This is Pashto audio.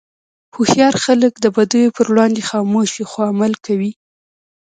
هوښیار خلک د بدیو پر وړاندې خاموش وي، خو عمل کوي.